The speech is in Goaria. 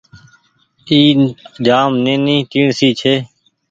اي جآم نيني ٽيڻسي ڇي۔